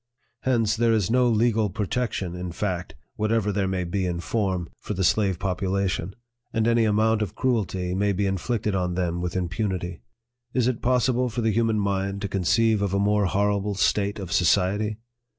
Hence, there is no legal protection in fact, whatever there may be in form, for the slave population ; and any amount of cruelty may be inflicted on them with impunity. Is it possible for the human mind to conceive of a more horrible state of society